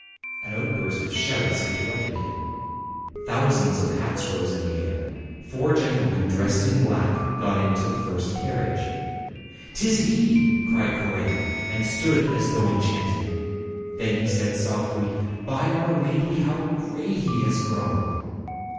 An outburst of shouts interrupted him; thousands of hats rose in the air; four gentlemen dressed in black got into the first carriage. " 'Tis he!" cried Coretti, and stood as though en chanted. Then he said softly, "By our lady, how gray he has grown!"